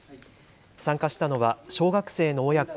参加ししたのは小学生の親子